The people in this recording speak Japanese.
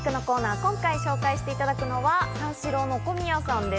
今回紹介していただくのは、三四郎の小宮さんです。